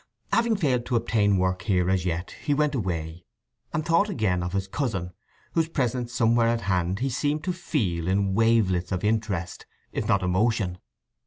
Having failed to obtain work here as yet he went away, and thought again of his cousin, whose presence somewhere at hand he seemed to feel in wavelets of interest, if not of emotion.